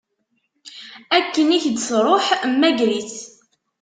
Akken i k-d-tṛuḥ, mmager-itt.